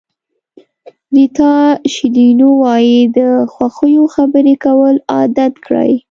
ریتا شیلینو وایي د خوښیو خبرې کول عادت کړئ.